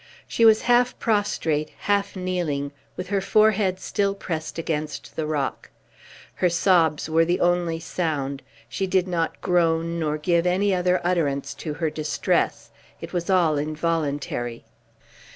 She was half prostrate, half kneeling, with her forehead still pressed against the rock. Her sobs were the only sound; she did not groan, nor give any other utterance to her distress. It was all involuntary.